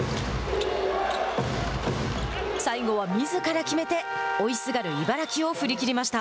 最後はみずから決めて追いすがる茨城を振り切りました。